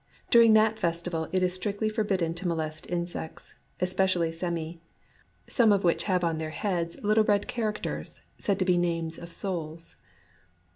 During that festi val it is strictly forbidden to molest insects, especially semi, some of which have on their heads little red characters said to be names of Souls.